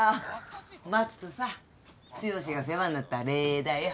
松とさ剛が世話になった礼だよ。